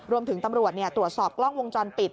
รวมถึงตำรวจตรวจสอบกล้องวงจรปิด